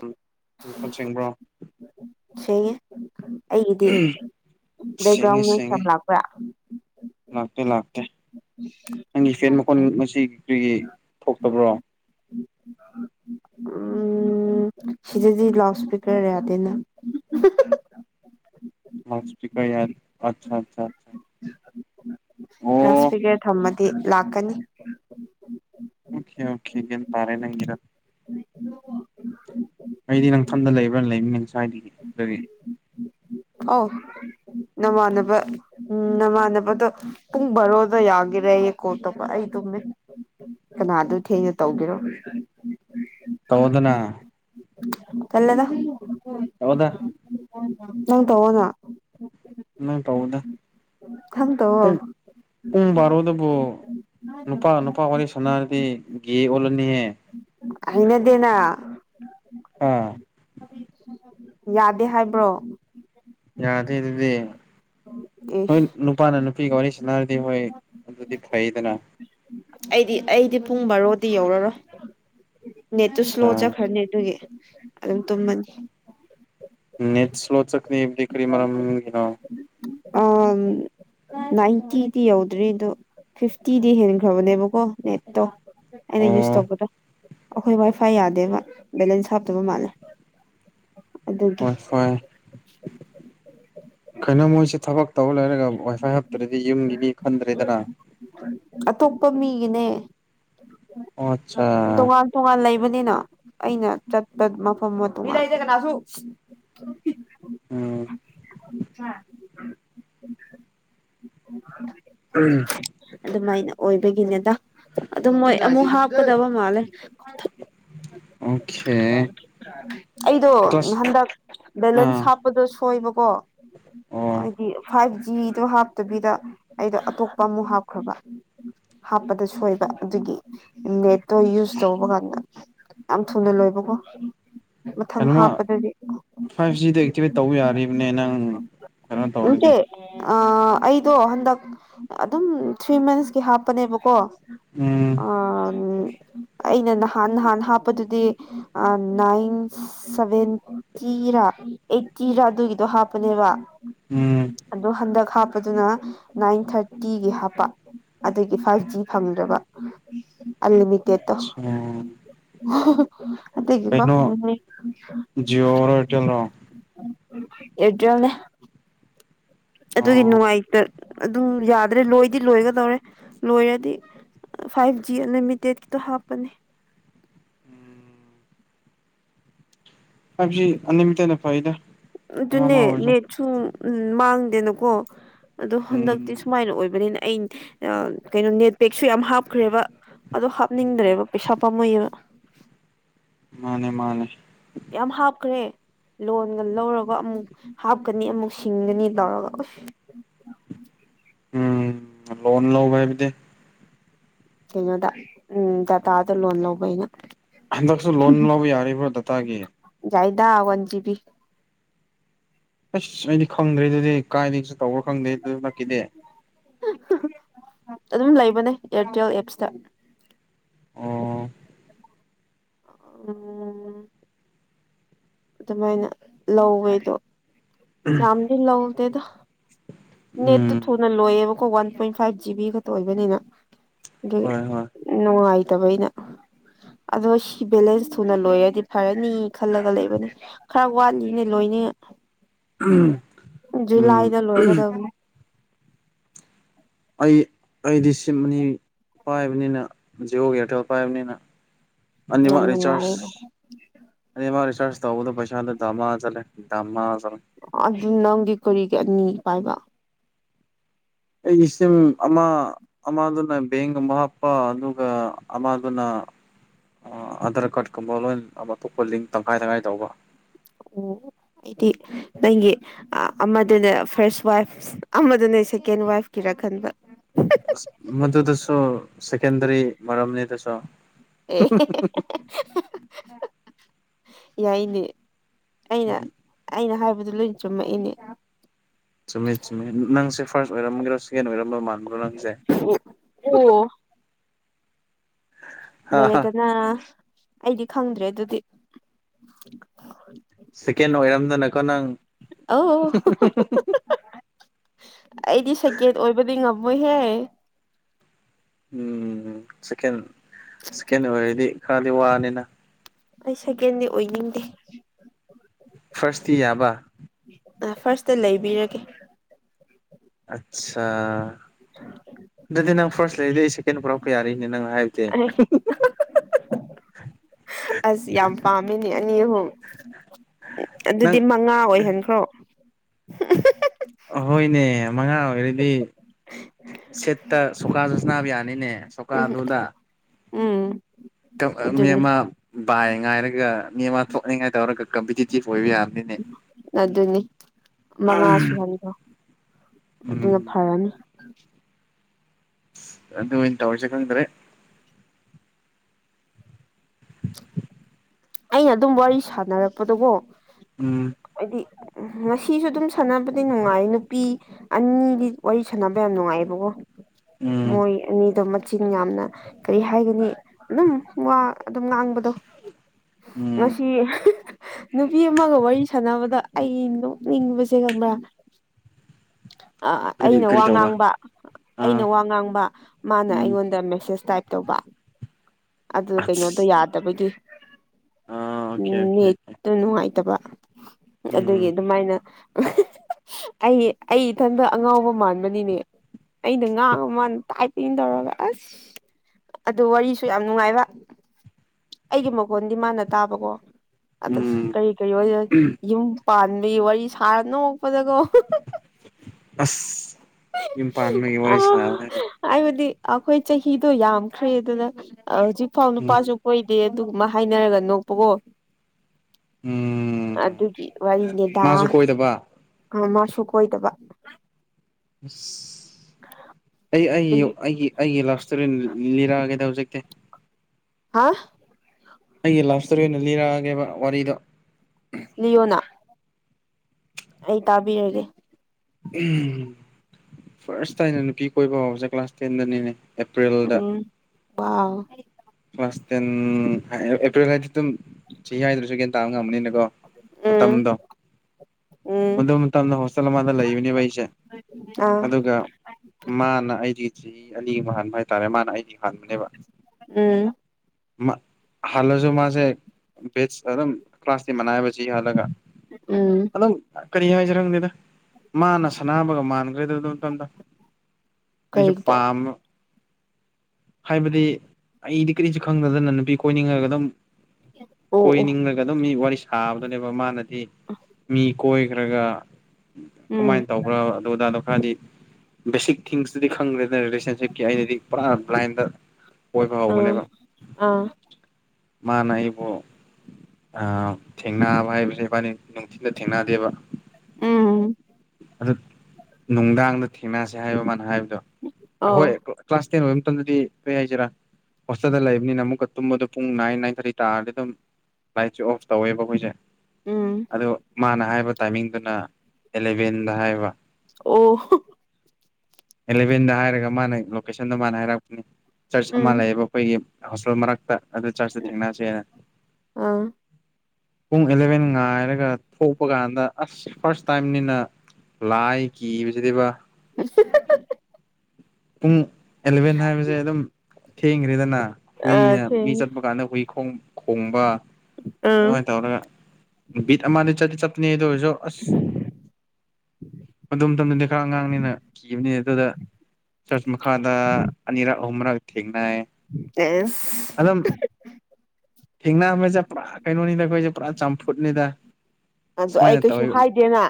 ꯎꯝ ꯎꯝ ꯈꯣꯟ ꯁꯦꯡꯕ꯭ꯔꯣ ꯁꯦꯡꯉꯦ ꯑꯩꯒꯤꯗꯤ ꯕꯦꯛꯒ꯭ꯔꯥꯎꯟ ꯁꯦꯡꯉꯦ ꯅꯣꯏꯁ ꯌꯥꯝ ꯁꯦꯡꯉꯦ ꯂꯥꯛꯄ꯭ꯔꯥ ꯂꯥꯛꯇꯦ ꯂꯥꯛꯇꯦ ꯅꯪꯒꯤ ꯐꯦꯟ ꯃꯈꯣꯟ ꯃꯁꯤ ꯁꯤꯒꯤ ꯊꯣꯛꯇꯕ꯭ꯔꯣ ꯎꯝ ꯍꯨꯖꯤꯛꯇꯤ ꯂꯥꯎꯠ ꯁ꯭ꯄꯤꯀꯔ ꯌꯥꯗꯦꯅ ꯂꯥꯎꯠ ꯏ꯭ꯁꯄꯤꯀꯔ ꯌ ꯑꯆꯥ ꯑꯆꯥ ꯂꯥꯎꯠ ꯁ꯭ꯄꯤꯀꯔ ꯊꯝꯃ ꯗꯤ ꯂꯥꯛꯀꯅꯤ [unintelligible] ꯑꯩꯗꯤ ꯅꯪ [unintelligible] ꯁ꯭ꯋꯥꯏꯗꯒꯤ ꯑꯗꯒꯤ ꯑꯧ ꯅꯃꯥꯟꯅꯕ ꯎꯝ ꯅꯃꯥꯟꯅꯕꯗꯣ ꯄꯨꯡ ꯕꯥꯔꯣꯗ ꯌꯥꯒꯦꯔꯌꯦ ꯀꯣꯜ ꯇꯧꯕ ꯑꯩ ꯇꯨꯃꯦ ꯀꯅꯥꯗꯨ ꯊꯦꯡꯅ ꯇꯧꯒꯦꯔꯣ ꯀꯧꯑꯣꯗꯅ ꯇꯜꯂꯦꯗ ꯂꯥꯛꯑꯣꯗ ꯅꯪ ꯇꯧꯑꯣꯅꯥ ꯅꯪ ꯇꯧꯋꫭꯗ ꯅꯪ ꯇꯧꯑꯣ ꯄꯨꯡ ꯕꯥꯔꯣꯗꯕꯨ ꯅꯨꯄꯥ ꯅꯨꯄꯥ ꯋꯥꯔꯤ ꯁꯥꯟꯅꯔꯗꯤ ꯒꯦ ꯑꯣꯜꯂ [unintelligible] ꯍꯩꯅꯗꯦꯅ ꯑꯥ ꯌꯥꯗꯦ ꯍꯥꯏꯕ꯭ꯔꯣ ꯌꯥꯗꯦ ꯑꯗꯨꯗꯤ ꯍꯣꯏ ꯏꯁ ꯅꯨꯄꯥꯅ ꯅꯨꯄꯤꯒ ꯋꯥꯔꯤ ꯁꯥꯟꯅꯔꯗꯤ ꯍꯣꯏ ꯑꯗꯨꯗꯤ ꯐꯩꯌꯦꯗꯅ ꯑꯩꯗꯤ ꯑꯩꯗꯤ ꯄꯨꯡ ꯕꯥꯔꯣꯗꯤ ꯌꯧꯔꯔꯣꯏ ꯅꯦꯠꯇꯨ ꯁ꯭ꯂꯣ ꯑꯠꯆꯥ ꯆꯠꯈ꯭ꯔꯅꯤ ꯑꯗꯨꯒꯤ ꯗꯨꯝ ꯇꯨꯝꯃꯅꯤ ꯅꯦꯠ ꯁ꯭ꯂꯣꯆꯛꯀꯅꯤꯕꯗꯤ ꯀꯔꯤ ꯃꯔꯝꯒꯤꯅꯣ ꯑꯥꯝ ꯅꯥꯏꯟꯇꯤꯗꯤ ꯌꯧꯗ꯭ꯔꯤ ꯗꯣ ꯐꯤꯐꯇꯤꯗꯤ ꯍꯦꯟꯈ꯭ꯔꯕꯅꯦꯕꯀꯣ ꯅꯦꯠꯇꯣ ꯑꯩꯅ ꯌꯨ꯭ꯁ ꯑꯣ ꯇꯧꯕꯗꯣ ꯑꯈꯣꯏ ꯋꯥꯏ ꯐꯥꯏ ꯌꯥꯗꯦꯕ ꯕꯦꯂꯦꯟꯁ ꯍꯥꯞꯇꯕ ꯃꯥꯜꯂꯦ [unintelligible] ꯑꯗꯨꯒꯤ ꯀꯩꯅꯣ ꯃꯣꯏꯁꯦ ꯊꯕꯛ ꯇꯧꯂꯩꯔꯒ ꯋꯥꯏꯐꯥꯏ ꯍꯥꯞꯇ꯭ꯔꯗꯤ ꯌꯨꯝꯒꯤ ꯃꯤ ꯈꯟꯗ꯭ꯔꯦꯗꯅ ꯑꯇꯣꯞꯄ ꯃꯤꯒꯤꯅꯦ ꯑꯣ ꯑꯠꯆꯥ ꯇꯣꯉꯥꯟ ꯇꯣꯉꯥꯟ ꯂꯩ ꯕꯅꯤꯅ ꯑꯩꯅ ꯆꯠꯄ ꯃꯐꯝ [unintelligible] ꯂꯩꯇꯦ ꯀꯅꯥꯁꯨ ꯎꯝ [unintelligible] ꯎꯝ ꯑꯗꯨꯃꯥꯏꯅ ꯑꯣꯏꯕꯒꯤꯅꯦꯗ ꯑꯗꯨꯝ ꯃꯣꯏ ꯑꯃꯨꯛ ꯍꯥꯞꯀꯗꯕ ꯃꯥꯜꯂꯦ ꯎꯝ [inaudible] ꯑꯩꯗꯣ ꯀ꯭ꯂꯥꯁ ꯍꯟꯗꯛ ꯕꯦꯂꯦꯟꯁ ꯑꯥ ꯍꯥꯞꯄꯗꯣ ꯁꯣꯏꯕꯀꯣ ꯑꯣ ꯑꯣꯏꯗꯤ ꯐꯥꯏꯕ ꯖꯤꯗꯣ ꯍꯥꯞꯇꯕꯤꯗ ꯑꯩꯗꯣ ꯑꯇꯣꯞꯄ ꯑꯃꯨꯛ ꯍꯥꯞꯈ꯭ꯔꯕ ꯍꯥꯞꯄꯗ ꯁꯣꯏꯕ ꯑꯗꯨꯒꯤ ꯅꯦꯠꯇꯣ ꯌꯨꯁ ꯇꯧꯕꯀꯥꯟꯗ ꯌꯥꯝ ꯊꯨꯅ ꯂꯣꯏꯕꯀꯣ ꯃꯊꯪ ꯀꯩꯅꯣꯃ ꯍꯥꯞꯄꯗꯗꯤ ꯐꯥꯏꯚ ꯖꯤꯗ ꯑꯦꯛꯇꯤꯚꯦꯠ ꯇꯧꯕ ꯌꯥꯔꯤꯝꯅꯦ ꯅꯪ ꯀꯩꯅꯣ ꯇꯧꯔꯗꯤ [unintelligible] ꯑꯥ ꯑꯩꯗꯣ ꯍꯟꯗꯛ ꯑꯗꯨꯝ ꯊ꯭ꯔꯤ ꯃꯟꯁꯀꯤ ꯍꯥꯞꯄꯅꯦꯕꯀꯣ ꯎꯝ ꯑꯥꯝ ꯑꯩꯅ ꯅꯍꯥꯟ ꯅꯍꯥꯟ ꯍꯥꯞꯄꯗꯨꯗꯤ ꯑ ꯅꯥꯏꯟ ꯁꯚꯦꯟꯇꯤ ꯏꯔꯥ ꯑꯩꯇꯤꯔꯥ ꯑꯗꯨꯒꯤꯗꯣ ꯍꯥꯞꯄꯅꯦꯕ ꯎꯝ ꯑꯗꯣ ꯍꯟꯗꯛ ꯍꯥꯞꯄꯗꯨꯅ ꯅꯥꯏꯟ ꯊꯥꯔꯇꯤꯒꯤ ꯍꯥꯞꯄ ꯑꯗꯒꯤ ꯐꯥꯏꯚ ꯖꯤ ꯐꯪꯗ꯭ꯔꯕ ꯑꯟꯂꯤꯃꯤꯇꯦꯠꯇꯣ ꯑꯇꯩ ꯗꯤꯀꯣ ꯀꯩꯅꯣ ꯖꯤꯑꯣꯔꯣ ꯏꯌꯥꯔꯇꯦꯜꯔꯣ [unintelligible] [unintelligible] ꯑꯗꯨꯒꯤ ꯑꯣ ꯅꯨꯡꯉꯥꯏꯇ ꯑꯗꯨ ꯌꯥꯗ꯭ꯔꯦ ꯂꯣꯏꯗꯤ ꯂꯣꯏꯒꯗꯧꯔꯦ ꯂꯣꯏꯔꯗꯤ ꯐꯥꯏꯚ ꯖꯤ ꯑꯟꯂꯤꯃꯤꯇꯦꯠꯀꯤꯇꯣ ꯍꯥꯞꯄꯅꯦ ꯐꯥꯏꯚ ꯖꯤ ꯑꯟꯂꯤꯃꯤꯇꯦꯠꯅ ꯐꯩꯗ ꯑꯃ ꯑꯗꯨꯅꯦ ꯑꯃ ꯑꯣꯏꯔꯁꯨ ꯅꯦꯠꯁꯨꯨ ꯎꯝ ꯃꯥꯡꯗꯦꯅꯀꯣ ꯑꯗꯣ ꯍꯟꯗꯛꯇꯤ ꯎꯝ ꯁꯨꯃꯥꯏꯅ ꯑꯣꯏꯕꯅꯤꯅ ꯑꯩꯟ ꯑꯥ ꯀꯩꯅꯣ ꯅꯦꯠꯄꯦꯛꯁꯨ ꯌꯥꯝ ꯍꯥꯞꯈ꯭ꯔꯦꯕ ꯑꯗꯣ ꯎꯝ ꯍꯥꯞꯅꯤꯡꯗ꯭ꯔꯦꯕ ꯄꯩꯁꯥ ꯄꯥꯝꯃꯨꯏꯌꯦꯕ ꯃꯥꯅꯦ ꯃꯥꯅꯦ ꯌꯥꯝ ꯍꯥꯞꯈ꯭ꯔꯦ ꯂꯣꯟꯒ ꯂꯧꯔꯒ ꯑꯃꯨꯛ ꯍꯥꯞꯀꯅꯤ ꯑꯃꯨꯛ ꯁꯤꯡꯒꯅꯤ ꯇꯧꯔꯒ ꯎ꯭ꯁ [inaudible] ꯎꯝ ꯂꯣꯟ ꯂꯧꯕ ꯍꯥꯏꯕꯗꯤ ꯀꯩꯅꯣꯗ ꯎꯝ ꯗꯥꯇꯥꯗ ꯂꯣꯟ ꯂꯧꯕ ꯑꯩꯅ ꯍꯟꯗꯛꯁꯨ ꯂꯣꯟ ꯂꯧꯕ ꯌꯥꯔꯤꯕ꯭ꯔꯣ ꯗꯇꯥꯒꯤ ꯌꯥꯏꯗ ꯋꯥꯟ ꯖꯤꯕꯤ ꯑꯁ ꯑꯩꯗꯤ ꯈꯪꯗ꯭ꯔꯦ ꯑꯗꯨꯗꯤ ꯀꯥꯏꯗꯒꯤꯁꯨ ꯇꯧꯕ꯭ꯔꯥ ꯈꯪꯗꯦ [unintelligible] ꯑꯗꯨꯝ ꯂꯩꯕꯅꯦ ꯑ꯭ꯌꯥꯔꯇꯦꯜ ꯑꯦꯞꯁꯇ ꯑꯣ [unintelligible] ꯑꯗꯨꯃꯥꯏꯅ ꯂꯧꯋꯦꯗꯣ ꯌꯥꯝꯗꯤ ꯂꯧꯗꯦꯗ ꯅꯦꯠꯇꯨ ꯎꯝ ꯊꯨꯅ ꯂꯣꯏꯌꯦꯕꯀꯣ ꯋꯥꯟ ꯄꯣꯏꯟ ꯐꯥꯏꯚ ꯖꯤꯕꯤ ꯈꯛꯇ ꯑꯣꯏꯕꯅꯤꯅ ꯗꯨꯏ ꯍꯣꯏ ꯍꯣꯏ ꯅꯨꯡꯉꯥꯏ ꯇꯕ ꯑꯩꯅ ꯑꯗꯣ ꯕꯦꯂꯦꯟꯁ ꯊꯨꯅ ꯂꯣꯏꯔꯗꯤ ꯐꯔꯅꯤ ꯈꯜꯂꯒ ꯂꯩꯕꯅ ꯈꯔ ꯋꯥꯠꯂꯤꯅꯦ ꯂꯣꯏꯅꯦ ꯎꯝ ꯖꯨꯂꯥꯏꯗ ꯂꯣꯏꯒꯗꯕꯅꯦ ꯑꯩ ꯑꯩꯗꯤ ꯁꯤꯝ ꯑꯅꯤ ꯄꯥꯏꯕꯅꯤꯅ ꯖꯤꯑꯣ ꯏꯌꯥꯔꯇꯦꯜ ꯄꯥꯏꯕꯅꯤꯅ ꯌꯥꯝ ꯑꯅꯤꯃꯛ ꯔꯤꯆꯥ꯭ꯔꯁ ꯅꯨꯡꯉꯥꯏꯌꯦ ꯑꯅꯤꯃꯛ ꯔ ꯆꯥꯁ ꯇꯧꯕꯗ ꯄꯩꯁꯥꯗꯣ ꯗꯥꯃꯥ ꯆꯠꯂꯦ ꯗꯥꯃꯥ ꯆꯠꯂꯦ ꯅꯪꯒꯤ ꯀꯔꯤꯒꯤ ꯑꯅꯤ ꯄꯥꯏꯕ ꯑꯩ ꯁꯤꯝ ꯑꯃ ꯑꯃꯗꯨꯅ ꯕꯦꯡꯒꯨꯝꯕ ꯍꯥꯞꯄ ꯑꯗꯨꯒ ꯑꯃꯥꯗꯨꯅ ꯑꯥ ꯑꯙ꯭ꯔ ꯀꯥꯔꯠ ꯀꯨꯝꯕ ꯂꯣꯏꯟ ꯑꯇꯣꯞꯄ ꯂꯤꯡ ꯇꯪꯈꯥꯏ ꯇꯪꯈꯥꯏ ꯇꯧꯕ ꯑꯣ ꯑꯩꯗꯤ ꯅꯪꯒꯤ ꯑꯃꯗꯨꯅ ꯐꯥ꯭ꯔꯁ ꯋꯥꯏꯐ ꯑꯃꯗꯨꯅ ꯁꯦꯀꯦꯟ ꯋꯥꯏꯐꯀꯤꯔ ꯈꯟꯕ ꯃꯗꯨꯗꯁꯨ ꯁꯦꯀꯦꯟꯗꯔꯤ ꯑꯦ [inaudible] ꯌꯥꯏꯅꯦ ꯑꯩꯅ ꯑꯩꯅ ꯍꯥꯏꯕ ꯗꯨ ꯂꯣꯏ ꯆꯨꯝꯃꯛꯏꯅꯦ ꯆꯨꯝꯃꯦ ꯆꯨꯝꯃꯦ ꯅꯪꯁꯦ ꯐꯥ꯭ꯔꯁ ꯑꯣꯏꯔꯝꯒꯦꯔꯣ ꯁꯦꯀꯦꯟ ꯑꯣꯏꯔꯝꯕ ꯃꯥꯟꯕ꯭ꯔꯣ ꯅꯪꯁꯦ [unintelligible] ꯂꯣꯏꯔꯦꯗꯅ ꯑꯩꯗꯤ ꯈꯪꯗ꯭ꯔꯦ ꯑꯗꯨꯗꯤ ꯁꯦꯀꯦꯟ ꯑꯣꯏꯔꯝꯗꯅꯀꯣ ꯅꯪ ꯑꯧ ꯑꯩꯗꯤ ꯁꯀꯦꯠ ꯑꯣꯏꯕꯗꯤ ꯉꯝꯃꯣꯏꯍꯦ ꯎꯝ ꯆꯀꯦꯟ ꯆꯀꯦꯟ ꯑꯣꯏꯔꯗꯤ ꯈꯔꯗꯤ ꯋꯥꯅꯤꯅ ꯑꯩ ꯁꯀꯦꯟꯗꯤ ꯑꯣꯏꯅꯤꯡꯗꯦ ꯐꯔꯁꯇꯤ ꯌꯥꯕ ꯑ ꯐꯥꯔꯁꯇ ꯂꯩꯕꯤꯔꯒꯦ ꯑꯠꯆꯥ ꯗꯨꯗꯤ ꯅꯪ ꯐꯥꯔꯁ ꯂꯩꯔꯗꯤ ꯑꯩ ꯁꯀꯦꯟ ꯄꯣꯔꯛꯄ ꯌꯔꯦꯅꯦ ꯅꯪ ꯑꯩ [inaudible] ꯑꯁ ꯌꯥꯝ ꯄꯥꯝꯃꯦꯅꯦ ꯑꯅꯤ ꯑꯍꯨꯝ ꯅꯪ ꯑꯗꯨꯗꯤ ꯃꯉꯥ ꯑꯣꯏꯍꯟꯈ꯭ꯔꯣ ꯑꯍꯣꯏꯅꯦ ꯃꯉꯥ ꯑꯣꯏꯔꯗꯤ ꯁꯤꯠꯇ ꯁꯨꯀꯥꯁꯨ ꯁꯅꯥꯕ ꯌꯥꯅꯤꯅꯦ ꯎꯝ ꯁꯨꯀꯥꯗꯨꯗ ꯎꯝ ꯑꯗꯨꯅꯤ [unintelligible] ꯚꯥꯏ ꯉꯥꯏꯔꯒ ꯃꯤ ꯑꯃ ꯊꯣꯛꯅꯤꯡꯉꯥꯏ ꯇꯧꯔꯒ ꯀꯝꯄꯤꯇꯤꯇꯤꯚ ꯑꯣꯏꯕ ꯌꯥꯕꯅꯤꯅꯦ ꯑꯗꯨꯅꯤ ꯃꯉꯥ ꯁꯨꯍꯟꯈꯣ ꯑꯗꯨꯅ ꯎꯝ ꯐꯔꯅꯤ [inaudible] ꯑꯗꯨ ꯑꯣꯏꯅ ꯇꯧꯔꯁꯤ ꯈꯪꯗ꯭ꯔꯦ ꯑꯩꯅ ꯑꯗꯨꯝ ꯋꯥꯔꯤ ꯁꯥꯟꯅꯔꯛꯄꯗꯨꯕꯣ ꯎꯝ ꯍꯥꯏꯗꯤ ꯎꯝ ꯉꯁꯤꯁꯨ ꯑꯗꯨꯝ ꯁꯥꯟꯅꯕꯗꯤ ꯅꯨꯡꯉꯥꯏ ꯅꯨꯄꯤ ꯑꯅꯤꯗꯤ ꯋꯥꯔꯤ ꯁꯥꯟꯅꯕ ꯌꯥꯝ ꯅꯨꯡꯉꯥꯏꯌꯦꯕꯀꯣ ꯎꯝ ꯃꯣꯏ ꯑꯅꯤꯗꯣ ꯃ ꯆꯤꯟ ꯌꯥꯝꯅ ꯀꯔꯤ ꯍꯥꯏꯒꯅꯤ ꯑꯗꯨꯝ ꯋꯥ ꯑꯗꯨꯝ ꯉꯥꯡꯕꯗꯣ ꯎꯝ ꯉꯁꯤ ꯅꯨꯄꯤ ꯑꯃꯒ ꯋꯥꯔꯤ ꯁꯥꯟꯅꯕꯗ ꯑꯩ ꯅꯣꯛꯅꯤꯡꯕꯁꯦ ꯈꯪꯕ꯭ꯔꯥ [inaudible] ꯑ ꯀꯔꯤ ꯑꯩꯅ ꯀꯔꯤ ꯋꯥ ꯇꯧꯕ ꯉꯥꯡꯕ ꯑꯥ ꯑꯩꯅ ꯋꯥ ꯉꯥꯡꯕ ꯃꯥꯅ ꯎꯝ ꯑꯩꯉꯣꯟꯗ ꯃꯦꯁꯦꯁ ꯇꯥꯏꯞ ꯇꯧꯕ ꯑꯗꯨ ꯑ ꯀꯩꯅꯣꯗꯣ ꯌꯥꯗꯕꯒꯤ ꯑꯣꯀꯦ ꯎꯝ ꯑꯣꯀꯦ ꯅꯦꯠꯇꯨ ꯅꯨꯡꯉꯥꯏꯇꯕ ꯎꯝ ꯑꯗꯨꯒꯤ ꯑꯗꯨꯃꯥꯏꯅ ꯑꯩ ꯑꯩ ꯏꯊꯟꯗ ꯑꯉꯥꯎꯕ ꯃꯥꯟꯕꯅꯤꯅꯦ ꯑꯩꯅ ꯉꯥꯡꯉ ꯃꯥꯟ ꯇꯥꯏꯞ ꯄꯤꯡ ꯇꯧꯔꯒ ꯑꯁ ꯑꯗꯨ ꯋꯥꯔꯤꯁꯨ ꯌꯥꯝ ꯅꯨꯡꯉꯥꯏꯕ ꯑꯩꯒꯤ ꯃꯈꯣꯟꯗꯤ ꯃꯥꯅ ꯇꯥꯕꯀꯣ ꯑꯗꯨ ꯎꯝ ꯀꯔꯤ ꯀꯔꯤ [unintelligible] ꯑꯣꯏ ꯌꯨꯝ ꯄꯥꯟꯕꯩ ꯋꯥꯔꯤ ꯁꯥꯔ ꯅꯣꯛꯄꯗꯀꯣ ꯑꯁ ꯌꯨꯝ ꯄꯥꯟꯕꯒꯤ ꯋꯥꯔꯤ ꯑꯥ ꯁꯥꯕ ꯍꯥꯏꯔꯦ ꯍꯥꯏꯕꯗꯤ ꯑꯩꯈꯣꯏ ꯆꯍꯤꯗꯣ ꯌꯥꯝꯈ꯭ꯔꯦ ꯑꯗꯨꯅ ꯍꯧꯖꯤꯛ ꯐꯥꯎ ꯎꯝ ꯅꯨꯄꯥꯁꯨ ꯀꯣꯏ ꯗꯦ ꯗꯨꯒꯨꯝꯕ ꯍꯥꯏꯅꯔꯒ ꯅꯣꯛꯄꯀꯣ ꯎꯝ ꯑꯗꯨꯗꯤ ꯋꯥꯔꯤꯅꯦꯗꯥ ꯃꯥꯁꯨ ꯀꯣꯏꯗꯕ ꯑꯃ ꯃꯥꯁꯨ ꯁꯨꯀꯣꯏꯗꯕ ꯑꯁ ꯑꯩ ꯑꯩ ꯑꯗꯨꯒꯤ ꯑꯩ ꯑꯩꯒꯤ ꯂꯐ ꯁ꯭ꯇꯣꯔꯤ ꯂꯤꯔꯛꯑꯒꯦꯗ ꯍꯧ ꯖꯤꯛꯇꯤ ꯍꯥ ꯑꯩꯒꯤ ꯂꯐ ꯏ꯭ꯁꯇꯣꯔꯤ ꯑꯣꯏꯅ ꯂꯤꯔꯛꯑꯒꯦꯕ ꯋꯥꯔꯤꯗꯣ ꯂꯤꯌꯣꯅꯥ ꯑꯩ ꯇꯥꯕꯤꯔꯒꯦ ꯎꯝ ꯐꯥꯔꯁꯇꯥ ꯑꯩꯅ ꯅꯨꯄꯤ ꯀꯣꯏꯕ ꯍꯧꯕꯁꯦ ꯀ꯭ꯂꯥꯁ ꯇꯦꯟꯗꯅꯤꯅꯦ ꯑꯦꯄ꯭ꯔꯤꯜꯗ ꯎꯝ ꯋꯥꯎ ꯀ꯭ꯂꯥꯁ ꯇꯦꯟ [unintelligible] ꯑꯦꯄ꯭ꯔꯤ [unintelligible] ꯗꯨꯝ ꯁꯤ ꯍꯥꯏꯗ꯭ꯔꯁꯨ ꯒ꯭ꯌꯥꯟ ꯇꯥꯕ ꯉꯝꯃꯅꯤꯅꯀꯣ ꯎꯝ ꯃꯇꯝꯗꯣ ꯎꯝ ꯑꯗꯨ ꯃꯇꯝꯗ ꯍꯣꯁꯇꯦꯜ ꯑꯃꯗ ꯂꯩꯕꯅꯦꯕ ꯑꯩꯁꯦ ꯑꯥ ꯑꯗꯨꯒ ꯃꯥꯅ ꯑꯩꯗꯤ ꯆꯍꯤ ꯑꯅꯤ ꯃꯨꯛ ꯍꯟꯕ ꯍꯥꯏꯇꯥꯔꯦ ꯃꯥꯅ ꯑꯩꯗꯤ ꯍꯥꯟꯕꯅꯦꯕ ꯎꯝ ꯃꯥ ꯍꯜꯂꯁꯨ ꯃꯥꯁꯦ ꯕꯦꯁ ꯑꯗꯨꯝ ꯀ꯭ꯂꯥꯁꯇꯤ ꯃꯅꯩꯕ ꯆꯍꯤ ꯍꯜꯂꯒ ꯎꯝ ꯑꯗꯨꯝ ꯀꯔꯤ ꯍꯥꯏꯖꯤꯔ ꯈꯪꯗꯦꯗ ꯃꯥꯅ ꯁꯅꯥꯕꯒ ꯃꯥꯟꯈ꯭ꯔꯦꯗ ꯑꯗꯨ ꯃꯇꯝꯗꯣ ꯑꯩꯁꯨ ꯀꯔꯤꯕꯣ ꯄꯥꯝꯕ ꯍꯥꯏꯕꯗꯤ ꯑꯩꯗꯤ ꯀ꯭ꯔꯤꯁꯨ ꯈꯪꯗꯗꯅ ꯅꯨꯄꯤ ꯀꯣꯏꯅꯤꯡꯉꯒ ꯑꯗꯨꯝ ꯑꯣ ꯑꯣ ꯀꯣꯏꯅꯤꯡꯉꯒ ꯑꯗꯨꯝ ꯃꯤ ꯋꯥꯔꯤ ꯁꯥꯕꯗꯨꯅꯦꯕ ꯃꯥꯅ ꯗꯤ ꯃꯤ ꯀꯣꯏꯒ꯭ꯔꯒ ꯎꯝ ꯀꯃꯥꯏꯟ ꯇꯧꯕ꯭ꯔꯥ ꯑꯗꯨꯗꯥꯗꯣ ꯈ꯭ꯔꯗꯤ ꯕꯦꯁꯤꯛ ꯊꯤꯡꯁꯇꯨꯗꯤ ꯈꯪꯗ꯭ꯔꯦꯗ ꯔꯤꯂꯦꯁꯟꯁꯤꯞꯀꯤ ꯑꯩꯅꯗꯤ ꯄꯨꯔꯥ ꯕ꯭ꯂꯥꯏꯟꯗ ꯀꯣꯢꯕ ꯑꯥ ꯍꯧꯕꯅꯦꯕ ꯑꯥ ꯃꯥꯅ ꯑꯩꯕꯨ ꯑꯥ ꯊꯦꯡꯅꯕ ꯍꯥꯏꯕꯁꯦ ꯏꯕꯥꯅꯤ ꯅꯨꯡꯊꯤꯟꯗ ꯊꯦꯡꯅꯗꯦꯕ ꯎꯝ ꯑꯗꯨ ꯅꯨꯡꯗꯥꯡꯗ ꯊꯦꯡꯅꯁꯦ ꯍꯥꯏꯕ ꯃꯥꯅ ꯍꯥꯏꯕ ꯑꯣ ꯑꯈꯣꯢ ꯀꯥ ꯀ꯭ꯂꯥꯁ ꯇꯦꯟ ꯂꯣꯏꯝ ꯃꯇꯝꯗꯗꯤ ꯀꯩ ꯍꯥꯏꯁꯤꯔ ꯍꯣꯁꯇꯦꯜꯗ ꯂꯩꯕ ꯅꯤꯅ ꯑꯃꯨꯛꯀ ꯇꯨꯝꯕꯗꯣ ꯄꯨꯡ ꯅꯥꯏ ꯅꯥꯟ ꯊꯥ꯭ꯔꯇꯤ ꯇꯥꯔꯗꯤ ꯗꯨꯝ ꯂꯥꯏꯠꯁꯦ ꯑꯣꯐ ꯇꯧꯋꯦꯕ ꯑꯈꯣꯏꯁꯦ ꯎꯝ ꯑꯗꯨ ꯃꯥꯅ ꯍꯥꯏꯕ ꯇꯥꯏꯃꯤꯡꯗꯨꯅ ꯑꯦꯂꯚꯦꯟꯗ ꯍꯥꯏꯕ ꯑꯣꯍꯣ ꯑꯦꯂꯚꯦꯟꯗ ꯍꯥꯏꯔꯒ ꯃꯥꯅ ꯂꯣꯀꯦꯁꯟꯗ ꯃꯥꯅ ꯍꯥꯏꯔꯛꯄꯅꯦ ꯆ꯭ꯔꯁ ꯑꯃ ꯎꯝ ꯂꯩꯌꯦꯕ ꯑꯈꯣꯏꯒꯤ ꯍꯣꯁꯇꯦꯜ ꯃꯔꯛꯇ ꯑꯗꯨ ꯆ꯭ꯔꯁꯇ ꯊꯦꯡꯅꯁꯤ ꯍꯥꯏ ꯑꯥ ꯄꯨꯡ ꯑꯦꯂꯦꯚꯦꯟ ꯉꯥꯏꯔꯒ ꯊꯣꯛꯄ ꯀꯥꯟꯗ ꯑꯁ ꯐꯥ꯭ꯔꯁ ꯇꯥꯏꯝꯅꯤꯅ ꯂꯥꯏ ꯀꯤꯕ ꯁꯤꯗꯤꯕ [unintelligible] ꯄꯨꯡ ꯑꯦꯂꯦꯚꯦꯟ ꯍꯥꯏꯕꯁꯦ ꯑꯗꯨꯝ ꯊꯦꯡꯈ꯭ꯔꯦꯗꯅ ꯑꯥ ꯍꯨꯏꯅ ꯃꯤ ꯊꯦꯡꯉꯦ ꯆꯠꯄ ꯀꯥꯟꯗ ꯍꯨꯏ ꯈꯣꯡ ꯈꯣꯡꯕ ꯑꯥ ꯑꯗꯨꯃꯥꯏꯟ ꯇꯧꯔꯒ ꯕꯤꯠ ꯑꯃꯗ ꯆꯠꯇꯤ ꯆꯠꯄꯅꯦ ꯑꯗꯨꯑꯣꯏꯁꯨ ꯑ꯭ꯁ ꯑꯗꯨ ꯃꯇꯝꯗꯗꯤ ꯈ꯭ꯔ ꯑꯉꯥꯡꯅꯤꯅ ꯀꯤꯕꯅꯦ ꯑꯗꯨꯗ ꯆ꯭ꯔꯁ ꯃꯈꯥꯗ ꯑꯅꯤꯔꯛ ꯑꯍꯨꯝꯔꯛ ꯊꯦꯡꯅ꯭ꯌꯦ ꯑꯦꯁ ꯑꯗꯨꯝ ꯊꯦꯡꯅꯕꯁꯦ ꯄꯨꯔꯥ ꯀꯩꯅꯣꯅꯤꯗ ꯑꯈꯣꯏꯁꯦ ꯄꯨꯔꯥ ꯆꯝꯐꯨꯠꯅꯤꯗ [unintelligible] ꯑꯩ ꯁꯨꯃꯥꯏꯅ ꯀꯩꯁꯨ ꯇꯧꯋꯦ ꯍꯥꯏꯗꯦꯅ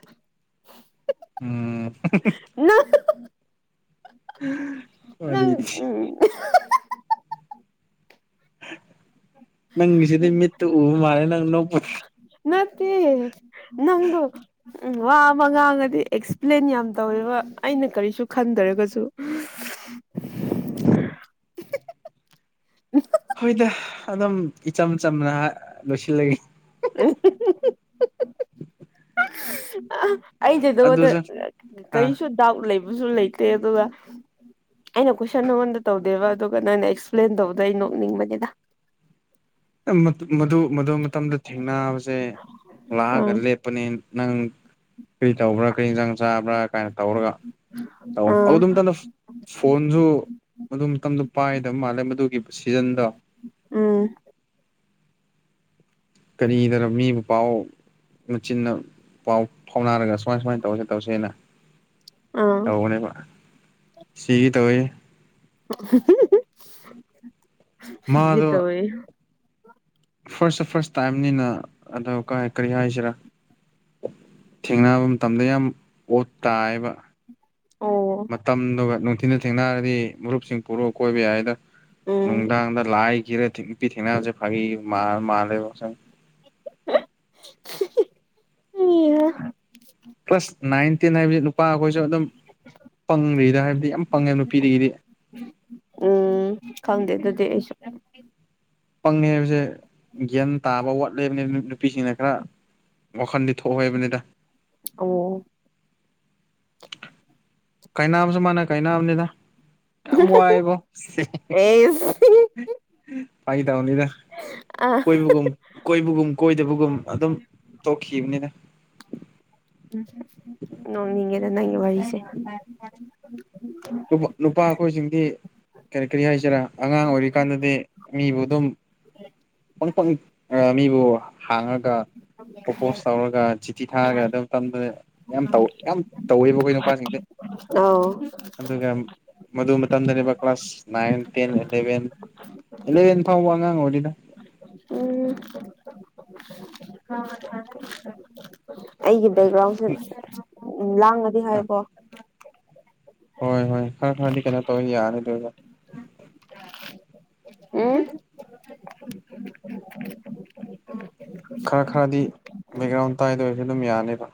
ꯎꯝ [unintelligible] ꯅꯪ ꯍ ꯅꯪ ꯋꯥꯔꯤꯗꯤ ꯎꯝ ꯅꯪꯒꯤꯁꯤꯗꯤ ꯃꯤꯠꯇ ꯎꯕ ꯃꯥꯜꯂꯦ ꯅꯪ ꯅꯣꯡꯄ ꯅꯠꯇꯦ ꯅꯪꯕꯣ ꯎꯝ ꯋꯥ ꯑꯃ ꯉꯥꯡꯉꯗꯤ ꯑꯦꯛꯁꯄ꯭ꯂꯦꯟ ꯌꯥꯝ ꯇꯧꯋꯦꯕ ꯑꯩꯅ ꯀꯔꯤꯁꯨ ꯈꯟꯗ꯭ꯔꯒꯁꯨ [inaudible] ꯎꯝ ꯍꯣꯏꯗ ꯑꯗꯨꯝ ꯏꯆꯝ ꯆꯝꯅ ꯂꯣꯏꯁꯤꯜꯂꯦ [unintelligible] [unintelligible] ꯑꯩꯗ ꯅꯉꯣꯟꯗ ꯑꯗꯨꯁꯨ ꯑꯥ ꯀꯔꯤꯁꯨ ꯗꯥꯎꯠ ꯂꯩ ꯕꯨꯁꯨ ꯂꯩꯇꯦ ꯑꯗꯨꯒ ꯑꯩꯅ ꯀꯣꯏꯁꯟ ꯅꯉꯣꯟꯗ ꯇꯧꯗꯦꯕ ꯑꯗꯨꯒ ꯅꯪꯅ ꯑꯦꯛꯁꯄ꯭ꯂꯦꯟ ꯇꯧꯕꯗ ꯑꯩ ꯅꯣꯛꯅꯤꯡꯕꯅꯦꯗꯥ [inaudible] ꯑꯦ ꯃꯗꯨ ꯃꯗꯨ ꯃꯗꯨ ꯃꯇꯝꯗ ꯊꯦꯡꯅꯕꯁꯦ ꯂꯥꯛꯑꯒ ꯑꯥ ꯂꯦꯞꯄꯅꯦ ꯅꯪ ꯀ꯭ꯔꯤ ꯇꯧꯕ꯭ꯔꯥ ꯀꯔꯤ ꯌꯤꯟꯖꯥꯡ ꯆꯥꯕ꯭ꯔꯥ ꯀꯥꯏꯅ ꯇꯧꯔꯒ ꯇꯩꯋꯦ ꯑꯥ ꯑꯗꯨꯝ ꯇꯅꯐ ꯐꯣꯟꯖꯨ ꯑꯗꯨ ꯃꯇꯝꯗ ꯄꯥꯏꯗ ꯃꯥꯜꯂꯦ ꯃꯗꯨꯒꯤ ꯁꯤꯖꯟꯗꯣ ꯎꯝ ꯀꯔꯤꯗꯅꯣ ꯃꯤꯕꯨ ꯄꯥꯎ ꯃꯆꯤꯟꯅ ꯄꯥꯎ ꯐꯥꯎꯅꯔꯒ ꯁꯨꯃꯥꯏ ꯁꯨꯃꯥꯏꯟ ꯇꯧꯁꯦ ꯇꯧꯁꯦꯅ ꯑꯥ ꯇꯧꯕꯅꯦꯕ ꯁꯤꯒꯦ ꯇꯧꯋꯦꯍꯦ [unintelligible] ꯁꯤꯒꯦ ꯇꯧꯋꯦ ꯐꯥꯔꯁ ꯁꯨ ꯐꯥꯔꯁ ꯇꯥꯏꯝꯅꯤꯅ ꯑꯗꯣ ꯀꯥꯢ ꯀꯔꯤ ꯍꯥꯏꯁꯤꯔꯥ ꯊꯦꯡꯅꯕ ꯃꯇꯝꯗ ꯌꯥꯝ ꯑꯣꯠ ꯇꯥꯏꯌꯦꯕ ꯑꯣ ꯃꯇꯝꯗꯨꯒ ꯅꯨꯡꯊꯤꯟꯗ ꯊꯦꯡꯅꯔꯗꯤ ꯃꯔꯨꯞꯁꯤꯡ ꯄꯨꯔꯣ ꯀꯣꯏꯕ ꯌꯥꯏꯌꯦꯗ ꯎꯝ ꯅꯨꯡꯗꯥꯡꯗ ꯂꯥꯏ ꯀꯤꯔ ꯊꯤꯛ ꯅꯨꯄꯤ ꯊꯦꯡꯅꯕꯁꯦ ꯐꯥꯒꯤ ꯃꯥꯜ ꯃꯥꯜꯂꯦꯕ ꯑꯁꯦꯡꯕ [unintelligible] ꯀꯂꯥ꯭ꯁ ꯅꯥꯏꯟ ꯇꯦꯟ ꯍꯥꯏꯕꯖꯦ ꯅꯨ ꯄꯥ ꯈꯣꯏꯁꯨ ꯑꯗꯨꯝ ꯄꯪꯔꯤꯗ ꯍꯥꯏꯕꯗꯤ ꯌꯥꯝ ꯄꯪꯉꯦ ꯅꯨꯄꯤꯗꯒꯤꯗꯤ ꯎꯝ ꯈꯪꯗꯦ [inaudible] ꯄꯪꯉ ꯍꯥꯏꯕꯁꯦ ꯒ꯭ꯌꯥꯟ ꯇꯥꯕ ꯋꯥꯠꯂꯦꯕꯅꯦ ꯅꯨ ꯅꯨꯄꯤꯁꯤꯡꯅ ꯈꯔ ꯋꯥꯈꯟꯗꯤ ꯊꯣꯛꯑꯣ ꯍꯥꯏꯕꯅꯦꯗ ꯑꯣ ꯀꯥꯢꯅꯥꯕꯁꯨ ꯃꯥꯅ ꯀꯥꯏꯅꯕꯅꯦꯗ ꯌꯥꯝ ꯋꯥꯏꯌꯦꯕꯣ ꯁꯤꯁ ꯑꯦꯁ ꯐꯥꯒꯤ ꯇꯧꯅꯤꯗ ꯑ ꯀꯣꯏꯕꯒꯨꯝ ꯀꯣꯏꯕꯒꯨꯝ ꯀꯣꯏꯗꯕꯒꯨꯝ ꯑꯗꯨꯝ ꯇꯣꯛꯈꯤꯝꯅꯤꯗ ꯅꯣꯛꯅꯤꯡꯉꯦꯗ ꯅꯪꯒꯤ ꯋꯥꯔꯤꯁꯦ ꯅꯨꯞ ꯅꯨꯄꯥ ꯑꯈꯣꯏꯁꯤꯡꯗꯤ ꯀꯔꯤ ꯀꯔꯤ ꯍꯥꯏꯁꯤꯔꯥ ꯑꯉꯥꯡ ꯑꯣꯏꯔꯤꯀꯥꯟꯗꯗꯤ ꯃꯤꯕꯨ ꯑꯗꯨꯝ ꯄꯪ ꯄꯪ ꯑ ꯃꯤꯕꯨ ꯍꯥꯡꯉꯒ [unintelligible] ꯄ꯭ꯔꯣꯄꯣꯁ ꯇꯧꯔꯒ ꯆꯤꯊꯤ ꯊꯥꯔꯒ ꯑꯗꯨ ꯃꯇꯝꯗꯨꯗ ꯌꯥꯝ ꯇꯧ ꯌꯥꯝ ꯇꯧꯋꯦꯕ ꯑꯈꯣꯏ ꯅꯨꯄꯥꯁꯤꯡꯁꯦ ꯑꯣ ꯃꯗꯨ ꯃꯇꯝꯗꯅꯦꯕ class nine ten eleven eleven ꯐꯥꯎꯕ ꯑꯉꯥꯡ ꯑꯣꯏꯔꯤꯗ ꯎꯝ [unintelligible] ꯑꯩꯒꯤ ꯕꯦꯛꯒ꯭ꯔꯥꯎꯁꯦ ꯎ ꯂꯥꯡꯉꯗꯤ ꯍꯥꯏꯌꯣꯀꯣ ꯍꯣꯏ ꯍꯣꯏ ꯈꯔ ꯈꯔꯗꯤ ꯀꯩꯅꯣ ꯇꯧꯋꯦ ꯌꯥꯔꯦ ꯑꯗꯨꯒ ꯎꯝ ꯈꯔ ꯈꯔꯗꯤ ꯕꯦꯛꯒ꯭ꯔꯥꯎꯟ ꯇꯥꯏ ꯑꯗꯨ ꯑꯣꯏꯔꯁꯨ ꯑꯗꯨꯝ ꯌꯥꯅꯦꯕ